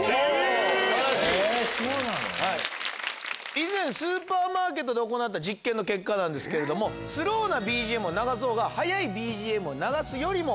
以前スーパーマーケットで行った実験の結果なんですけれどもスローなＢＧＭを流すほうが速いＢＧＭを流すよりも。